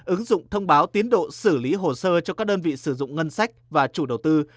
ứng dụng thông báo tiến độ xử lý hồ sơ cho các đơn vị sử dụng ngân sách và chủ đầu tư